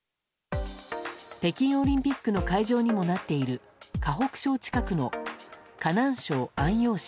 北京オリンピックの会場にもなっている河北省近くの河南省安陽